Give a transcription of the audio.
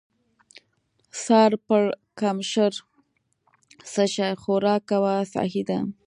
سر پړکمشر: څه شی؟ خوراک کوه، سهي ده.